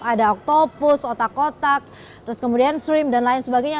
ada oktopus otak otak terus kemudian stream dan lain sebagainya